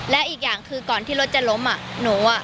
และอีกอย่างคือก่อนที่รถจะล้มอ่ะหนูอ่ะ